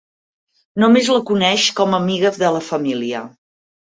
Només la coneix com a amiga de la família.